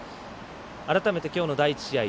改めて、きょうの第１試合